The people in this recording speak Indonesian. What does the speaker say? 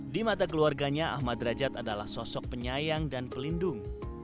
di mata keluarganya ahmad derajat adalah sosok penyayang dan pelindung